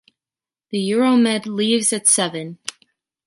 The Euromed leaves at seven.